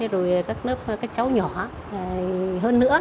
rồi các lớp các cháu nhỏ hơn nữa